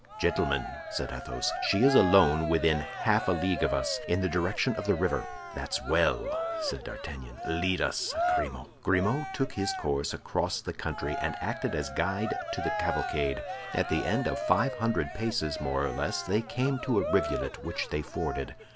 "Gentlemen," said Athos, "she is alone within half a league of us, in the direction of the river." "That's well," said D'Artagnan. "Lead us, Grimaud." Grimaud took his course across the country, and acted as guide to the cavalcade. At the end of five hundred paces, more or less, they came to a rivulet, which they forded.